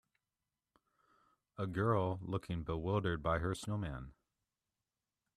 A girl looking bewildered by her snowman.